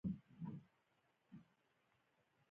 بحران څنګه کنټرول کړو؟